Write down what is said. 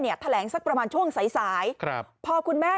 คดีของคุณบอสอยู่วิทยาคุณบอสอยู่วิทยาคุณบอสอยู่ความเร็วของรถเปลี่ยน